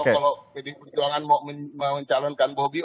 kalau jadi perjuangan mau mencalonkan bobby